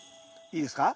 いいですか？